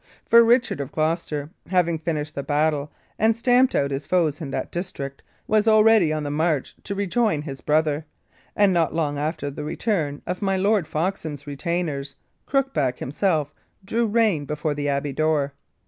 For Richard of Gloucester, having finished the battle and stamped out his foes in that district, was already on the march to rejoin his brother; and not long after the return of my Lord Foxham's retainers, Crookback himself drew rein before the abbey door.